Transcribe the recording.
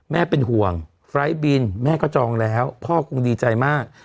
แม่เป็นห่วงไฟล์ทบินแม่ก็จองแล้วพ่อคงดีใจมาก